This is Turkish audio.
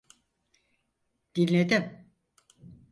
Dinledim.